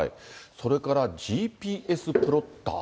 それからＧＰＳプロッター。